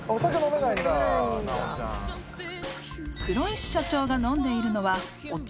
［黒石社長が飲んでいるのはお茶］